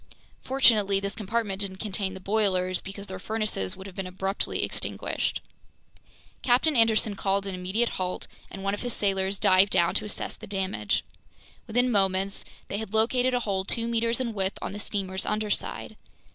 Fortunately this compartment didn't contain the boilers, because their furnaces would have been abruptly extinguished. Captain Anderson called an immediate halt, and one of his sailors dived down to assess the damage. Within moments they had located a hole two meters in width on the steamer's underside.